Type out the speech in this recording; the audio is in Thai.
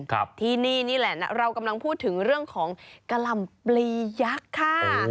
ครับที่นี่นี่แหละเรากำลังพูดถึงเรื่องของกะหล่ำปลียักษ์ค่ะ